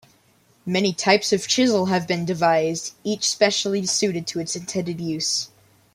Many types of chisel have been devised, each specially suited to its intended use.